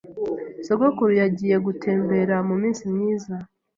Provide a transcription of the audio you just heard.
Sogokuru yagiye gutembera muminsi myiza.